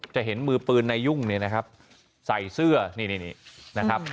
จะเห็นมือปืนนายยุ่งเนี่ยนะครับใส่เสื้อนี่นี่นะครับ